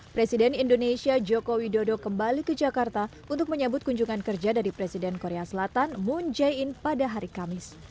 presiden indonesia joko widodo kembali ke jakarta untuk menyebut kunjungan kerja dari presiden korea selatan moon jae in pada hari kamis